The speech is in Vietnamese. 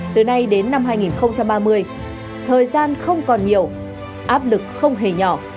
từ nay đến năm hai nghìn ba mươi thời gian không còn nhiều áp lực không hề nhỏ